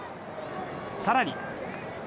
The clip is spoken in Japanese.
さらに。